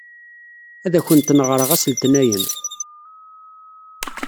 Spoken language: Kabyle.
Ad akent-n-ɣṛeɣ ass Letnayen.